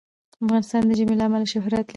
افغانستان د ژمی له امله شهرت لري.